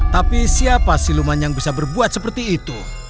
tapi siapa siluman yang bisa berbuat seperti itu